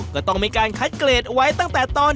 ก็ต้องมีการคัดเกรดไว้ตั้งแต่ตอน